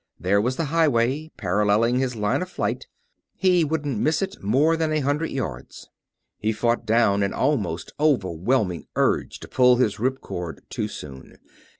There was the highway, paralleling his line of flight; he wouldn't miss it more than a hundred yards. He fought down an almost overwhelming urge to pull his rip cord too soon.